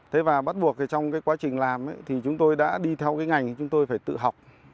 thế và bắt buộc thì trong cái quá trình làm thì chúng tôi đã đi theo cái ngành chúng tôi phải tự học